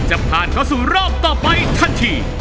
จะผ่านเข้าสู่รอบต่อไปทันที